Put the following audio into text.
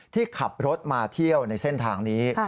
ที่ขับรถมาเที่ยวในเส้นทางนี้